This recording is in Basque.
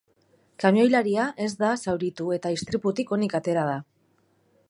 Kamioilaria ez da zauritu eta istriputik onik atera da.